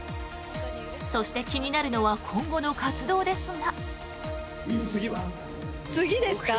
そして気になるのは今後の活動ですが。